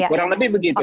kurang lebih begitu